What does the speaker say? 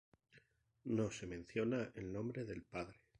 No se menciona el nombre del padre.